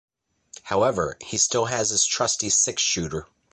However, he still has his trusty six-shooter.